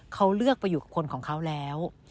เขาเลือกไปอยู่กับคนของเขาแล้ว